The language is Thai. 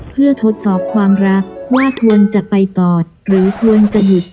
เพื่อทดสอบความรักว่าควรจะไปกอดหรือควรจะหยุด